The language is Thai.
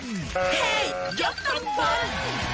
เฮยกตำบล